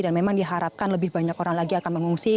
dan memang diharapkan lebih banyak orang lagi akan mengungsi